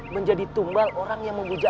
menjadi tumbal orang yang membujak